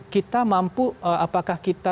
kita mampu apakah kita